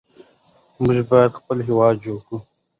موږ باید خپل هېواد جوړ کړو.